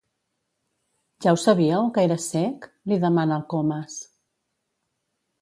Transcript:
Ja ho sabíeu, que era cec? —li demana el Comas.